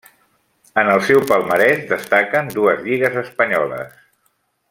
En el seu palmarès destaquen dues lligues espanyoles.